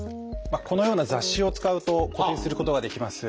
このような雑誌を使うと固定することができます。